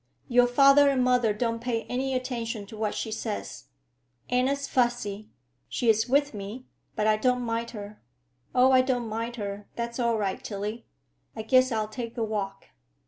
Your father and mother don't pay any attention to what she says. Anna's fussy; she is with me, but I don't mind her." "Oh, I don't mind her. That's all right, Tillie. I guess I'll take a walk."